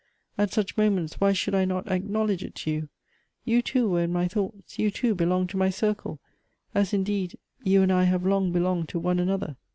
At such moments why should I not acknowledge it to you ? you too were in my thoughts, you too belonged to my circle ; as, indeed, you and I have long belonged to one another.